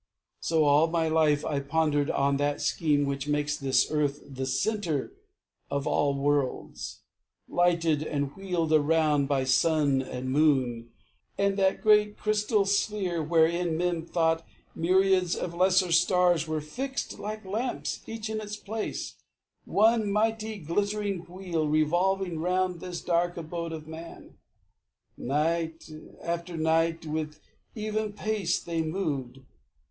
So, all my life I pondered on that scheme Which makes this earth the centre of all worlds, Lighted and wheeled around by sun and moon And that great crystal sphere wherein men thought Myriads of lesser stars were fixed like lamps, Each in its place, one mighty glittering wheel Revolving round this dark abode of man. Night after night, with even pace they moved.